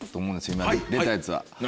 今出たやつは。